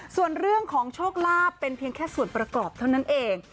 ส่วนเรื่องของโชคลาภเป็นเพียงแค่ส่วนประกอบเท่านั้นเอง